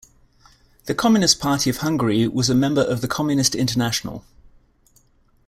The Communist Party of Hungary was a member of the Communist International.